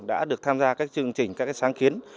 đã được tham gia các chương trình các sáng kiến